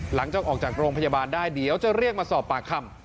หลังจากออกจากโรงพยาบาลได้เดี๋ยวจะเรียกมาสอบปากคำ